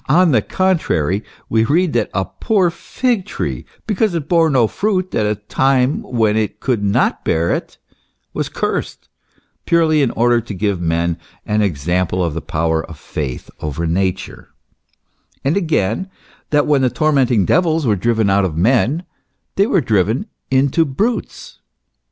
On the contrary, we read that a poor fig tree, because it bore no fruit at a time when it could not bear it, was cursed, purely in order to give men an example of the power of faith over Nature ; and again, that when the tormenting devils were driven out of men, they were driven into brutes.